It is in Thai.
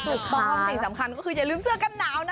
ถูกต้องสิ่งสำคัญก็คืออย่าลืมเสื้อกันหนาวนะ